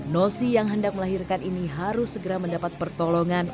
nosi yang hendak melahirkan ini harus segera mendapat pertolongan